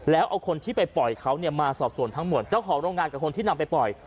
แล้วเอาคนที่ไปปล่อยเขาเนี่ยมาสอบส่วนทั้งหมดเจ้าของโรงงานกับคนที่นำไปปล่อย